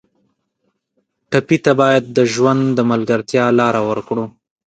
ټپي ته باید د ژوند د ملګرتیا لاره ورکړو.